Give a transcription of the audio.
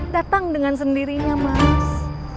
datang dengan sendirinya mas